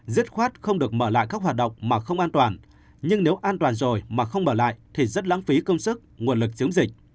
dứt khoát không được mở lại các hoạt động mà không an toàn nhưng nếu an toàn rồi mà không bỏ lại thì rất lãng phí công sức nguồn lực chống dịch